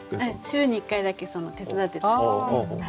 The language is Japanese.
週に１回だけ手伝ってて。